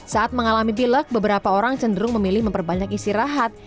saat mengalami pilek beberapa orang cenderung memilih memperbanyak istirahat